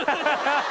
ハハハ！